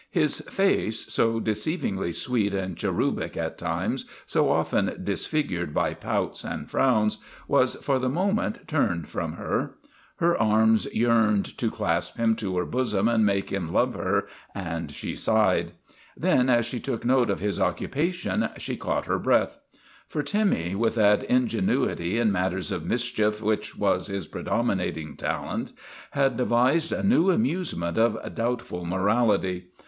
His face, so deceivingly sweet and cherubic at times, so often disfigured by pouts and frowns, was for the moment turned from her. Her arms 194 THE REGENERATION OF TIMMY yearned to clasp him to her bosom and make him love her, and she sighed. Then, as she took note of his occupation, she caught her breath. For Timmy, with that ingenuity in matters of mischief which was his predominating talent, had devised a new amusement of doubtful morality.